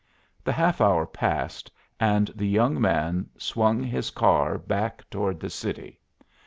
The half hour passed and the young man swung his car back toward the city.